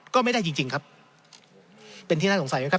ก็ไม่ได้จริงจริงครับเป็นที่น่าสงสัยไหมครับ